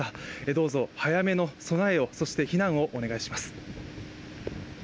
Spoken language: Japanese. どうぞ早めの備えを、そして避難をお願いします。